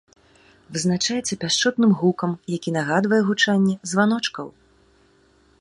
Вызначаецца пяшчотным гукам, які нагадвае гучанне званочкаў.